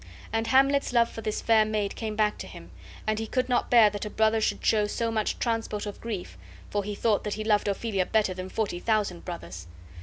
And Hamlet's love for this fair maid came back to him, and he could not bear that a brother should show so much transport of grief, for he thought that he loved Ophelia better than forty thousand brothers.